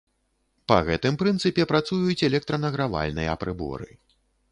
Па гэтым прынцыпе працуюць электранагравальныя прыборы.